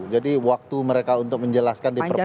jadi waktu mereka untuk menjelaskan diperpanjang